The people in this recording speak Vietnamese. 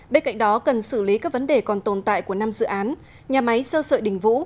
bên cạnh đó cần xử lý các vấn đề còn tồn tại của năm dự án nhà máy sơ sợi đình vũ